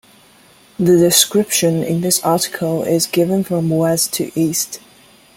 The description in this article is given from west to east.